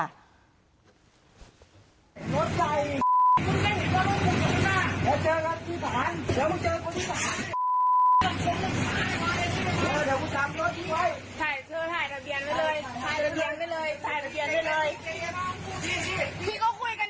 ครับพ่อครับพ่อ